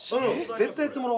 絶対やってもらおう。